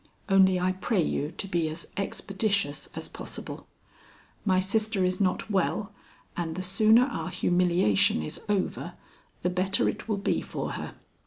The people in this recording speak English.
Only I pray you to be as expeditious as possible. My sister is not well, and the sooner our humiliation is over, the better it will be for her."